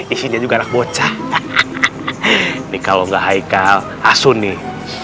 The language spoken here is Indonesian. isinya juga anak bocah nih kalau nggak haikal asun nih